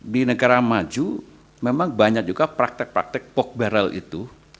di negara maju memang banyak juga praktek praktek pogbarel itu